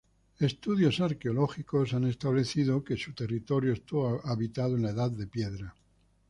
Estudios arqueológicos han establecido que su territorio estuvo habitado en la edad de piedra.